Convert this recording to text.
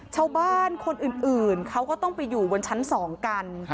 ชาวบ้านคนอื่นเขาก็ต้องไปอยู่บนชั้น๒กัน